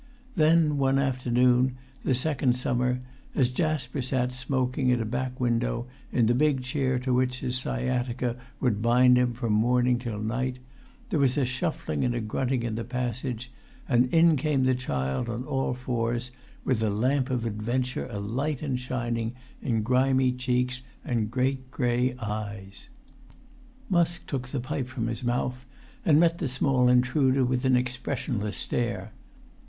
Then one afternoon, the second summer, as Jasper sat smoking at a back window, in the big chair to which his sciatica would bind him from morning till night, there was a shuffling and a grunting in the passage, and in came the child on all fours, with the lamp of adventure[Pg 250] alight and shining in grimy cheeks and great grey eyes. Musk took the pipe from his mouth, and met the small intruder with an expressionless stare.